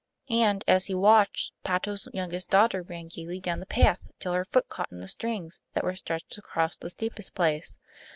And, as he watched, Patto's youngest daughter ran gaily down the path, till her foot caught in the strings that were stretched across the steepest place.